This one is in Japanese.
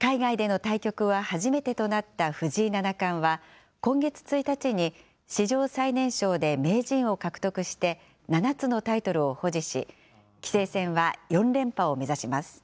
海外での対局は初めてとなった藤井七冠は、今月１日に史上最年少で名人を獲得して、７つのタイトルを保持し、棋聖戦は４連覇を目指します。